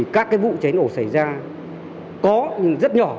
các vụ cháy nổ xảy ra có nhưng rất nhỏ